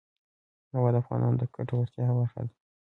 هوا د افغانانو د ګټورتیا برخه ده.